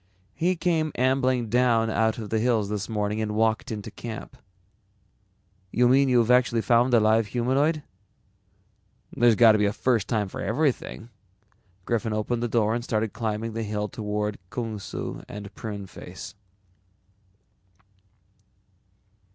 "He came ambling down out of the hills this morning and walked into camp." "You mean you've actually found a live humanoid?" "There's got to be a first time for everything." Griffin opened the door and started climbing the hill toward Kung Su and Pruneface.